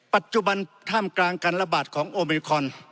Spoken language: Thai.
ปัจจุบันท่ามกลางการระบาดของโอเมคอน